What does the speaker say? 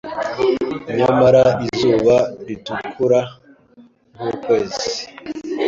Nyamara izuba ritukura nkukwezi